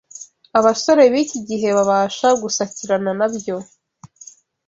abasore b’iki gihe babasha gusakirana na byo